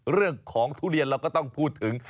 เรื่องของทุเรียนเราก็ต้องพูดถึง